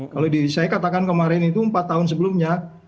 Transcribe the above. kalau saya katakan kemarin itu empat tahun sebelumnya